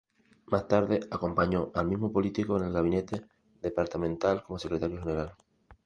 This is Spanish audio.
Más tarde, acompañó al mismo político en el gabinete departamental como Secretario General.